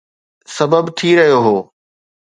سبب ٿي رهيو هو